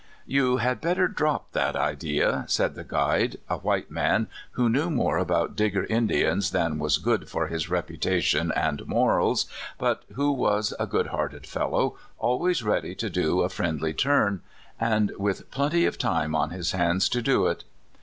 '' You had better drop that idea," said the guide, a w^hite man who knew more about Digger Indians than was good for his reputation and morals, but who was a good hearted fellow, always ready to do a friendly turn, and with plenty of time on his hands to do it.